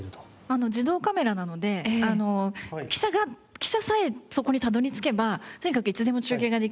あの自動カメラなので記者が記者さえそこにたどり着けばとにかくいつでも中継ができる。